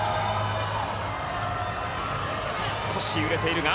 少し揺れているが。